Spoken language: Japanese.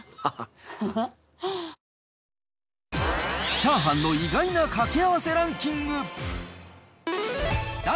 チャーハンの意外な掛け合わせランキング。